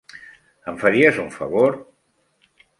Em faries un favor?